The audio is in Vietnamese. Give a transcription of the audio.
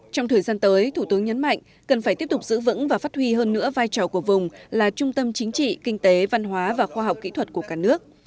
trong thời gian tới thủ tướng nhấn mạnh cần phải tiếp tục giữ vững và phát huy hơn nữa vai trò của vùng là trung tâm chính trị kinh tế văn hóa và khoa học kỹ thuật của cả nước